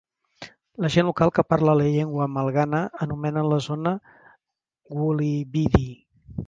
La gent local que parla la llengua malgana anomenen la zona "Wulybidi".